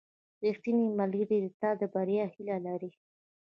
• ریښتینی ملګری د تا د بریا هیله لري.